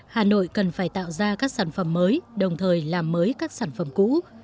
hà nội cần phải tạo ra các sản phẩm mới đồng thời làm mới các sản phẩm cũ